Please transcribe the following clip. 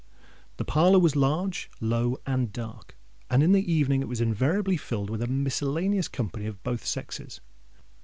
The parlour was large, low, and dark; and in the evening it was invariably filled with a miscellaneous company of both sexes.